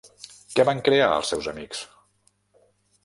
Què van crear els seus amics?